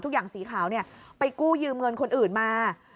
ทุกอย่างสีขาวเนี่ยไปกู้ยืมเงินคนอื่นมา